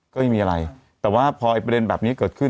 ก็ไม่มีอะไรแต่ว่าพอประเด็นแบบนี้เกิดขึ้น